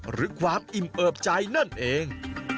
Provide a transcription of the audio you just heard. หรือความอิ่มเอิบใจนั่นเอง